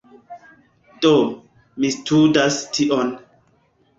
Do, mi studas tion